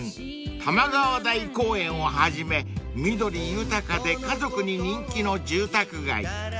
多摩川台公園をはじめ緑豊かで家族に人気の住宅街］